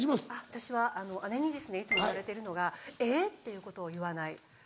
私は姉にいつも言われてるのが「『えっ⁉』ていうことを言わない」。